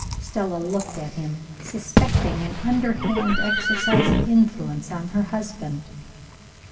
Stella looked at him, suspecting some underhand exercise of influence on her husband.